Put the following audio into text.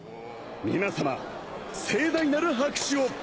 皆様盛大なる拍手を。